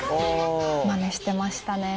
まねしてましたね。